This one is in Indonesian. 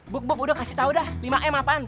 buk buk udah kasih tau dah lima m apaan